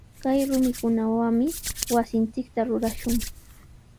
Kay rumikunawami wasinchikta rurashun.